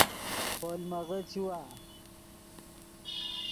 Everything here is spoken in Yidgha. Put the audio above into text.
پولمغے چیوا